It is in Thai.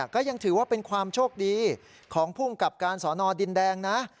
ก็ยังถือว่าเป็นความโชคดีของภูมิกับการสอนอดินแดงนะ